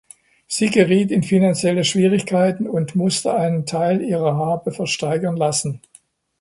Sie geriet in finanzielle Schwierigkeiten und musste einen Teil ihrer Habe versteigern lassen.